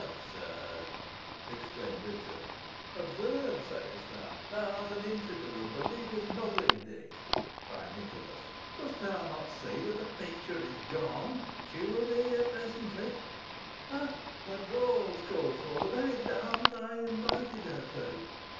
"Absurd!" exclaimed Richard. "Absurd, sayest thou thou art an infidel, and believest nothing, Dick," cried Nicholas. "Dost thou not see that the picture is gone? She will be here presently. Ha! the brawl is called for the very dance I invited her to.